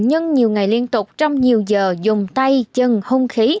nhưng nhiều ngày liên tục trong nhiều giờ dùng tay chân hung khí